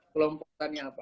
kelompok tanian apa